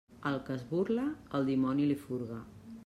Al que es burla, el dimoni li furga.